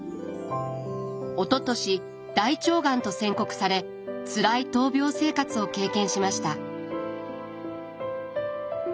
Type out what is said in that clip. おととし大腸がんと宣告されつらい闘病生活を経験しました。